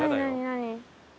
何？